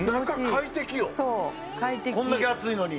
これだけ暑いのに。